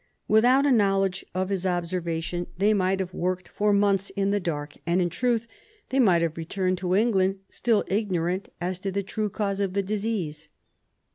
Without a knowledge of his observation they might have worked for D 2 22 RESEARCH DEFENCE SOCIETY months in the dark, and, in truth, they might have returned to England still ignorant as to the true cause of the disease."